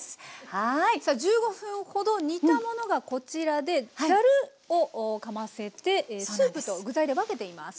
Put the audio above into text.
１５分ほど煮たものがこちらでざるをかませてスープと具材で分けています。